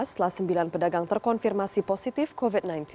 setelah sembilan pedagang terkonfirmasi positif covid sembilan belas